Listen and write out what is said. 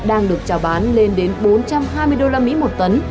đang được trả bán lên đến bốn trăm hai mươi đô la mỹ một tấn